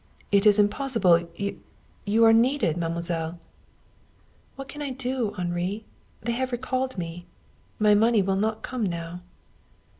"It is impossible! You you are needed, mademoiselle." "What can I do, Henri? They have recalled me. My money will not come now."